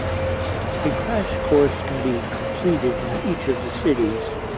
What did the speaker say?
A "Crash Course" can be completed in each of the cities.